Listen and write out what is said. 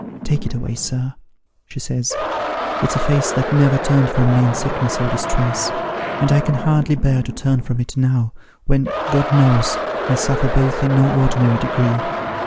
Take it away, sir,' she says, ' it's a face that never turned from me in sickness or distress, and I can hardly bear to turn from it now, when, God knows, I suffer both in no ordinary degree.'